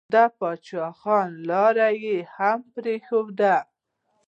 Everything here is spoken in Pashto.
د پاچا خان لاره يې هم پرېښوده.